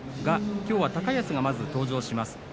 きょうは高安がまず登場します。